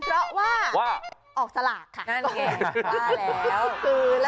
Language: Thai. เพราะว่าออกสลากค่ะ